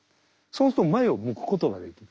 そうすると前を向くことができる。